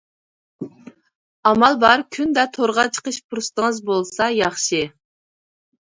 ئامال بار كۈندە تورغا چىقىش پۇرسىتىڭىز بولسا ياخشى.